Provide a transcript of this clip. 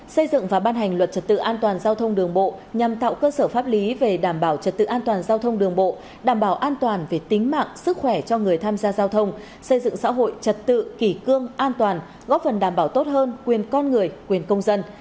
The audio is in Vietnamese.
xây dựng và ban hành luật trật tự an toàn giao thông đường bộ nhằm tạo cơ sở pháp lý về đảm bảo trật tự an toàn giao thông đường bộ đảm bảo an toàn về tính mạng sức khỏe cho người tham gia giao thông xây dựng xã hội trật tự kỷ cương an toàn góp phần đảm bảo tốt hơn quyền con người quyền công dân